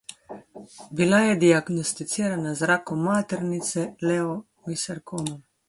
Bila je diagnosticirana z rakom maternice, leomiosarkmom.